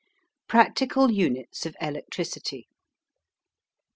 PRACTICAL UNITS OF ELECTRICITY.